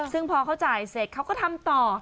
ซึ่งพอเขาจ่ายเสร็จเขาก็ทำต่อ